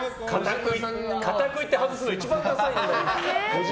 かたくいって外すの一番ダサいんだよ。